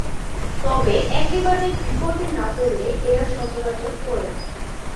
তবে একেবারে বিপদে না পড়লে এরা সচরাচর ওড়ে না।